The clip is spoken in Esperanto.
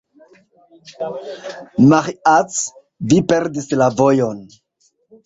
Maĥiac, vi perdis la vojon.